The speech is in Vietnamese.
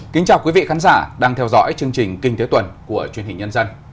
kính chào quý vị khán giả đang theo dõi chương trình kinh tế tuần của truyền hình nhân dân